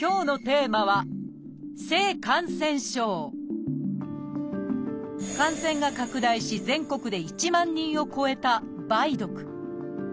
今日のテーマは感染が拡大し全国で１万人を超えた「梅毒」。